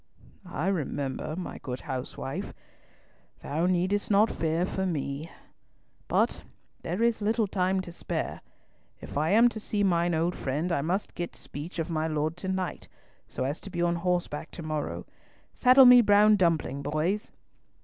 "I remember, my good housewife. Thou needst not fear for me. But there is little time to spare. If I am to see mine old friend, I must get speech of my Lord to night, so as to be on horseback to morrow. Saddle me Brown Dumpling, boys."